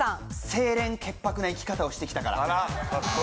清廉潔白な生き方をしてきたから。